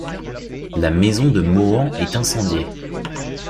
La maison de Mohan est incendiée.